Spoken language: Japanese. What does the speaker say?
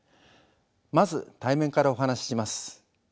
まず対面からお話しします。